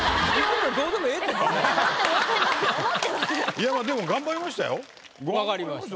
いやまあでも分かりました